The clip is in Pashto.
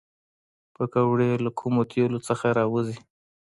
پکورې له ګرم تیلو نه راوځي